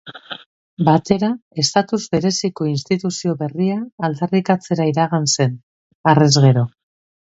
Batera estatus bereziko instituzio berria aldarrikatzera iragan zen, harrez gero.